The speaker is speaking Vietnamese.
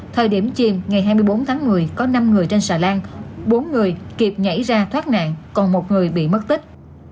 thời điểm chiều ngày hai mươi bốn tháng một mươi có năm người trên xà lan bốn người kịp nhảy ra thoát nạn còn một người bị mất tích